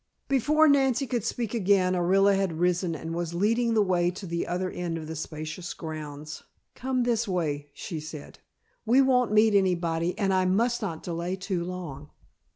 Before Nancy could speak again Orilla had risen and was leading the way to the other end of the spacious grounds. "Come this way," she said. "We won't meet anybody and I must not delay too long."